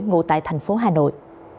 ngụ tại thành phố hà nội